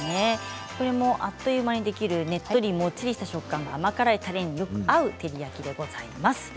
これも、あっという間にできるねっとりもっちりした食感が甘辛いたれによく合う照り焼きです。